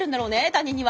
他人には。